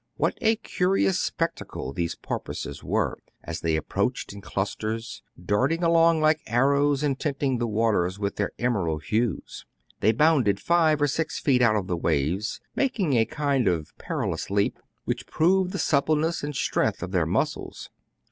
What a curious spectacle these porpoises were, as they approached in clusters, darting along like arrows, and tinting the waters with their emerald hues ! They bounded five or six feet out of the waves, making a kind of perilous leap, which proved the suppleness and strength of their muscles.